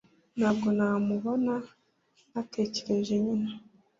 Ntabwo namubona ntatekereje nyina